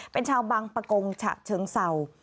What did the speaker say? เป็นชาวบางปะกงฉะเชิงเศร้า